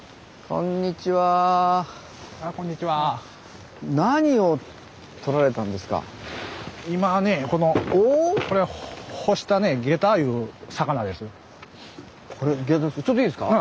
これちょっといいですか？